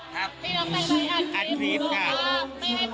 ครับอัดกรีสกับ